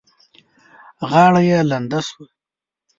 غاړه يې لنده شوه.